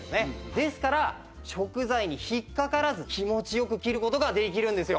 ですから食材に引っかからず気持ち良く切る事ができるんですよ。